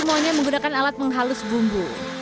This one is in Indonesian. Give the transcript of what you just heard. semuanya menggunakan alat menghalus bumbu